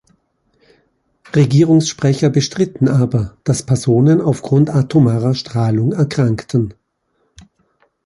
Regierungssprecher bestritten aber, dass Personen aufgrund atomarer Strahlung erkrankten.